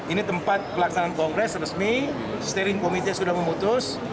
ini tempat pelaksanaan kongres resmi steering committee sudah memutus